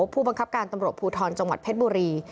ผู้บังคับการตำรวจภูทรจังหวัดเพชรบุรี